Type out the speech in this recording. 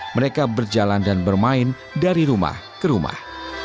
mereka berjalan dan bermain dari rumah ke rumah